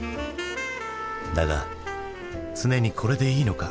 だが常にこれでいいのか？